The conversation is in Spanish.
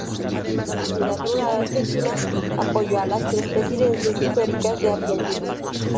La Sociedad Rural Argentina apoyó a las tres Presidencias históricas de Argentina.